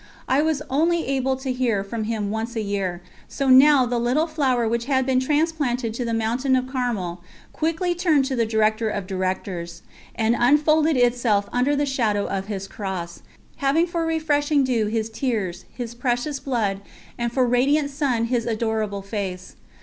I was only able to hear from him once in the year, so now the Little Flower which had been transplanted to the mountain of Carmel quickly turned to the Director of Directors, and unfolded itself under the shadow of His Cross, having for refreshing dew His Tears, His Precious Blood, and for radiant sun His Adorable Face.